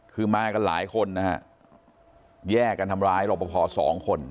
คือมากันหลายคนแย่กันทำร้ายรบภพ่อสองคน